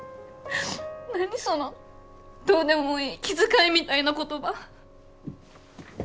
何そのどうでもいい気遣いみたいな言葉。